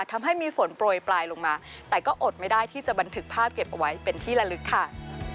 ทำให้มีฝนโปรยปลายลงมาแต่ก็อดไม่ได้ที่จะบันทึกภาพเก็บเอาไว้เป็นที่ละลึกค่ะ